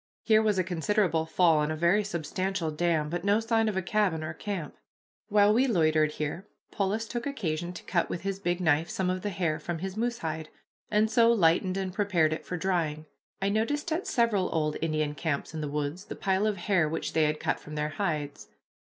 Here was a considerable fall, and a very substantial dam, but no sign of a cabin or camp. While we loitered here Polis took occasion to cut with his big knife some of the hair from his moose hide, and so lightened and prepared it for drying. I noticed at several old Indian camps in the woods the pile of hair which they had cut from their hides.